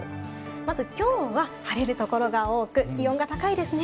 まずきょうは晴れるところが多く、気温が高いですね。